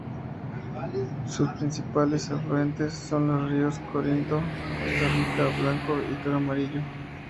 Sus principales afluentes son los ríos Corinto, Costa Rica, Blanco y Toro Amarillo.